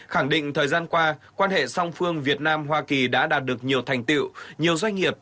khẳng định thời gian qua quan hệ song phương việt nam hoa kỳ đã đạt được nhiều thành tiệu nhiều doanh nghiệp